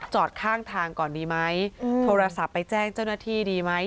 จอดข้างทางก่อนดีไหมโทรศัพท์ไปแจ้งเจ้าหน้าที่ดีไหม